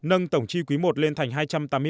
nâng tổng chi quý i lên thành